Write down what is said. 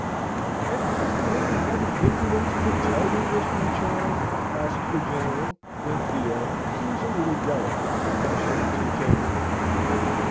"And has the woman had the impudence to tell you this, my child?" asks the General, when Theo (who is a little delicate) comes to the tea table.